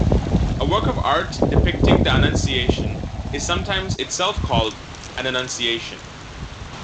A work of art depicting the Annunciation is sometimes itself called an Annunciation.